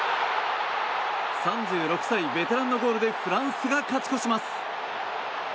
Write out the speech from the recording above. ３６歳、ベテランのゴールでフランスが勝ち越します。